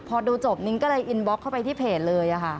พอดูจบนิ้งก็เลยอินบล็อกเข้าไปที่เพจเลยค่ะ